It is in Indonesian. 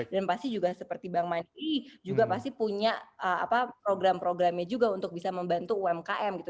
dan pasti juga seperti bank mandiri juga pasti punya program programnya juga untuk bisa membantu umkm gitu